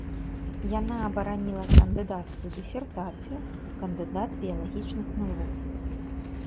Яна абараніла кандыдацкую дысертацыю, кандыдат біялагічных навук.